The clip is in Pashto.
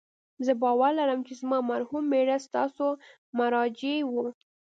زه باور لرم چې زما مرحوم میړه ستاسو مراجع و